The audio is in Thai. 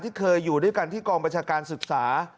เคยอยู่ด้วยกันที่กองประชาการศึกษา